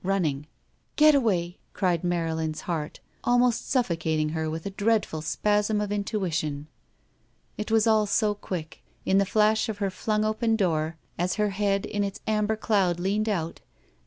Running. "Getaway!" cried Marylin's heart, almost suffo cating her with a dreadful spasm of intuition. It was all so quick. In the flash of her fltmg open door, as her head in its amber cloud leaned out.